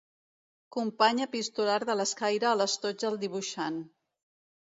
Company epistolar de l'escaire a l'estoig del dibuixant.